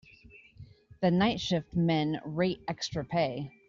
The night shift men rate extra pay.